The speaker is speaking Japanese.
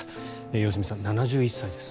良純さん、７１歳です。